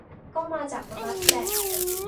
ก็มาจากรัฐแหละ